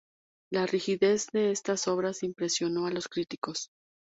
La rigidez de estas obras impresionó a los críticos.